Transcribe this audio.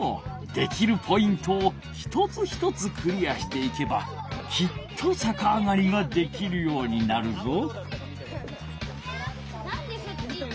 できるポイントを一つ一つクリアしていけばきっとさかあがりができるようになるぞ。